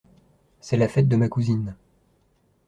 C’est la fête de ma cousine.